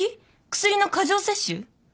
薬の過剰摂取？